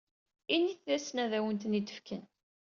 Init-asen ad awen-ten-id-fken.